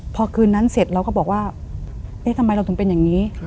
พอคืนนั้นเสร็จเราก็บอกว่าเอ๊ะทำไมเราถึงเป็นอย่างนี้